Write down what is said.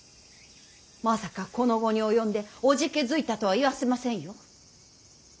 まさかこの期に及んでおじけづいたとは言わせませんよ。